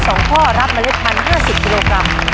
สัมภัฒนาอีก๒ข้อรับ๑๕๐